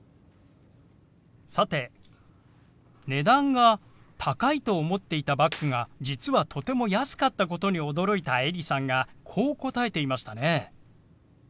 さて値段が高いと思っていたバッグが実はとても安かったことに驚いたエリさんがこう答えていましたね。